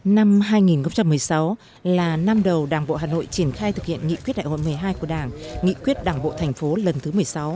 năm hai nghìn một mươi sáu là năm đầu đảng bộ hà nội triển khai thực hiện nghị quyết đại hội một mươi hai của đảng nghị quyết đảng bộ thành phố lần thứ một mươi sáu